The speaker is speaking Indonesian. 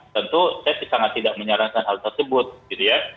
tentu saya sangat tidak menyarankan hal tersebut gitu ya